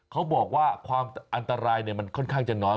เขาบอกว่าความอันตรายมันค่อนข้างจะน้อย